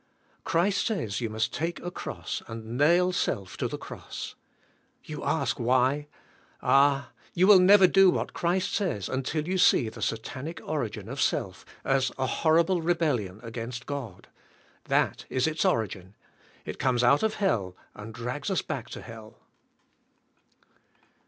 Christ says you must take a cross and nail self to the cross. You ask why. Ah, you will never do what Christ says until you see the satanic orig in of self, as a horrible rebellion ag ainst God. That is its orig in, it comes out of hell and drag's us back to hell.